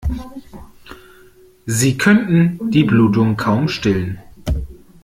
Sie könnten die Blutung kaum stillen.